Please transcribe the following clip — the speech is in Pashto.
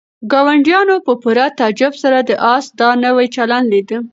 ګاونډیانو په پوره تعجب سره د آس دا نوی چلند لیده.